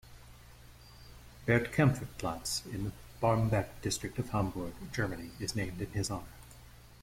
Bert-Kaempfert-Platz, in the Barmbek district of Hamburg, Germany, is named in his honour.